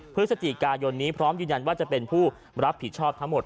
พฤศจิกายนนี้พร้อมยืนยันว่าจะเป็นผู้รับผิดชอบทั้งหมด